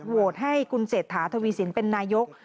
โหวตให้คุณเจษฐาธวีศิลป์เป็นนายก